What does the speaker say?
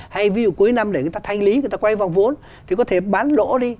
hay ví dụ cuối năm để người ta thanh lý người ta quay vòng vốn thì có thể bán lỗ đi